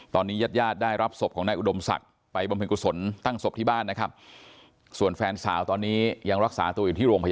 ตอนนี้ญาติยาดได้รับศพของไม่อุดมสัตว์